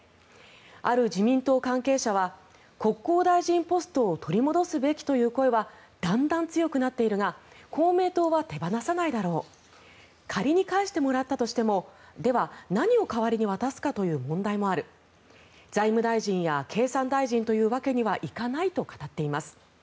ある自民党関係者は国交大臣ポストを取り戻すべきという声はだんだん強くなっているが公明党は手放さないだろう仮に返してもらったとしてもでは、何を代わりに渡すかという問題もある財務大臣や経産大臣というわけにはいかないと語っています。